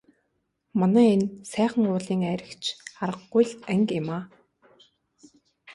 Манай энэ Сайхан уулын айраг ч аргагүй л анги юмаа.